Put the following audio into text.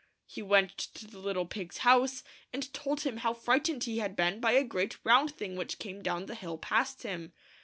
He went to the little pig's house, and told him how frightened he had been by a great round thing which came down the hill past him.